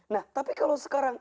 nah tapi kalau sekarang